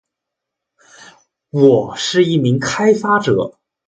我是一名开发者